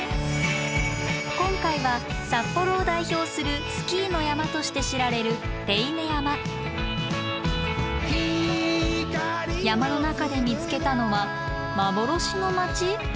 今回は札幌を代表するスキーの山として知られる山の中で見つけたのは幻の街！？